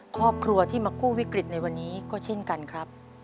ครอบครัวที่มากู้วิกฤตในวันนี้ก็เช่นกันครับ